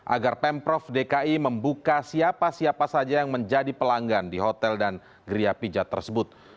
agar pemprov dki membuka siapa siapa saja yang menjadi pelanggan di hotel dan geria pijat tersebut